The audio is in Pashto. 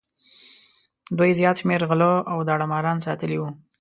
دوی زیات شمېر غله او داړه ماران ساتلي وو.